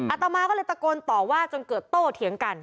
อาตมาก็เลยตะโกนต่อว่าจนเกิดโต้เถียงกัน